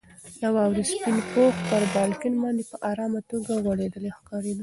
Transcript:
د واورې سپین پوښ پر بالکن باندې په ارامه توګه غوړېدلی ښکارېده.